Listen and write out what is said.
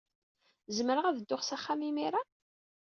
Zemreɣ ad dduɣ s axxam imir-a?